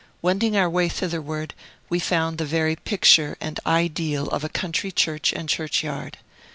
Wending our way thitherward, we found the very picture and ideal of a country church and churchyard.